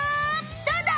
どうだ！？